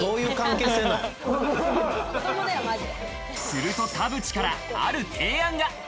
すると田渕から、ある提案が。